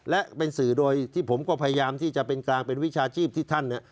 และเป็นสื่อโดยที่ผมก็พยายามที่จะเป็นกลางเป็นวิชาชีพที่ท่านเนี่ย